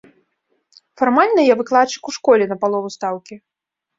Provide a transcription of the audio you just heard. Фармальна, я выкладчык у школе на палову стаўкі.